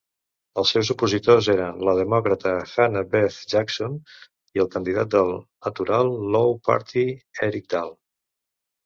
Els seus opositors eren la demòcrata Hannah-Beth Jackson i el candidat del Natural Law Party Eric Dahl.